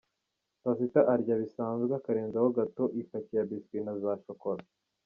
Saa sita arya bisanzwe akarenzaho gateau, ipaki ya biscuits na za shokola.